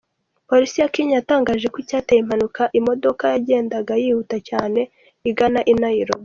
Polisi ya Kenya yatangaje ko icyateye impanuka imodoka yagendaga yihuta cyane igana i Nairobi.